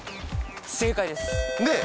正解ですねえ